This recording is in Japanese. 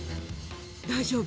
大丈夫？